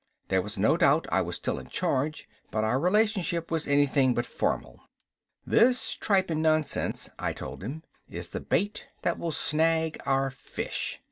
There was no doubt I was still in charge, but our relationship was anything but formal. "This tripe and nonsense," I told him, "is the bait that will snag our fish.